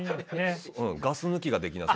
ガス抜きができなそう。